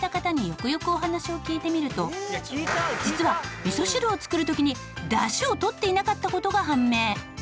よくよくお話を聞いてみると実はみそ汁を作る時にだしをとっていなかった事が判明。